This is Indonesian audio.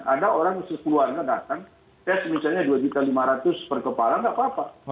ada orang sekeluarga datang tes misalnya rp dua lima ratus per kepala nggak apa apa